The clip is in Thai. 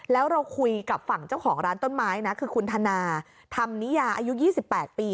แล้วเราคุยกับฝั่งเจ้าของร้านต้นไม้นะคือคุณธนาธรรมนิยาอายุ๒๘ปี